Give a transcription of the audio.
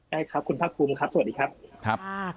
ครับคุณพระคุณครับสวัสดีครับ